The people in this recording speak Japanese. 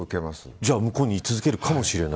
じゃあ、向こうにい続けるかもしれない。